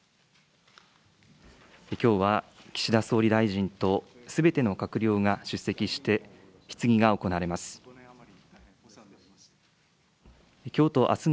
きょうは岸田総理大臣とすべての閣僚が出席して、質疑が行われます。